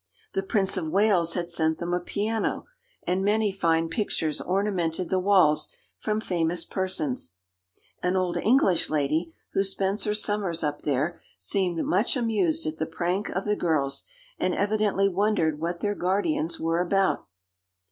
The Prince of Wales had sent them a piano, and many fine pictures ornamented the walls from famous persons. An old English lady who spends her summers up there seemed much amused at the prank of the girls, and evidently wondered what their guardians were about.